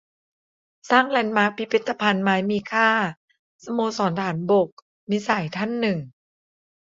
"สร้างแลนด์มาร์ค พิพิธภัณฑ์ไม้มีค่า สโมสรทหารบก" - มิตรสหายท่านหนึ่ง